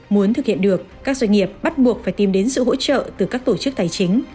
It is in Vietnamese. muốn thực hiện được các doanh nghiệp bắt buộc phải tìm đến sự hỗ trợ từ các tổ chức tài chính